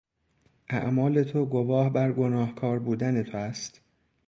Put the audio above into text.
اعمال تو گواه بر گناهکار بودن تو است.